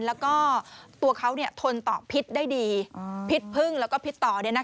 แล้วก็ตัวเขาทนต่อพิษได้ดีพิษพึ่งแล้วก็พิษต่อ